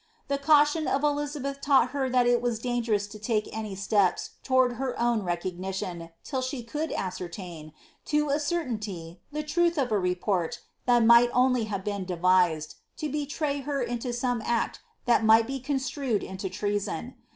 The caution of Elizabeth tau|[ht her that it was dangerous to take any steps towards her own recognition till she could ascertain, to a eertaio ty, the truth of a report that might only have been devised, to betngr her into some act .mat might & construed into treason.